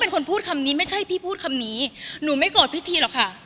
คนต่างสร้างเรื่องสตอรี่